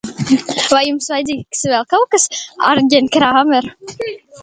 Vai jums vajadzīgs vēl kaut kas, aģent Krāmer?